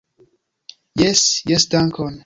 Jes, jes dankon